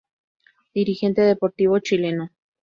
Dirigente deportivo chileno.